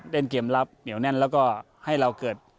เล่นเกมรับเหนียวแน่นแล้วก็ให้เราเกิด